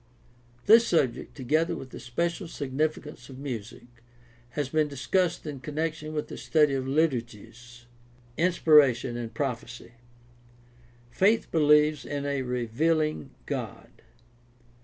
This subject, together with the special significance of music, has been discussed in connection with the study of liturgies. Inspiration and prophecy. — Faith believes in a revealing God.